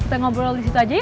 kita ngobrol disitu aja yuk